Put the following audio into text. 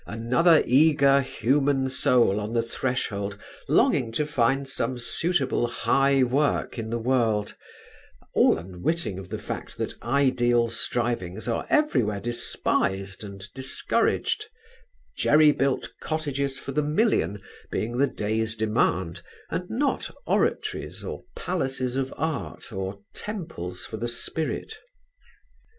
Another eager human soul on the threshold longing to find some suitable high work in the world, all unwitting of the fact that ideal strivings are everywhere despised and discouraged jerry built cottages for the million being the day's demand and not oratories or palaces of art or temples for the spirit.